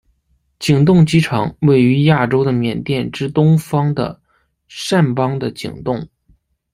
景栋机场位于亚洲的缅甸之东方的掸邦的景栋。